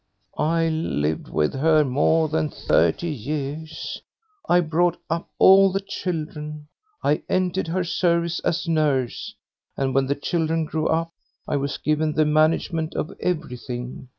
"I lived with her more than thirty years; I brought up all the children. I entered her service as nurse, and when the children grew up I was given the management of everything.